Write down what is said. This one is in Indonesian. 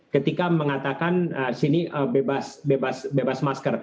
ketika mengatakan sini bebas masker